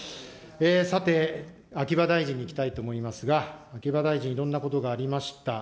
さて、秋葉大臣にいきたいと思いますが、秋葉大臣、いろんなことがありました。